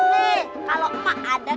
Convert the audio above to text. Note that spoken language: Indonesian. nih kalau emak ada